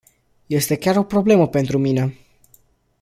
Este chiar o problemă pentru mine.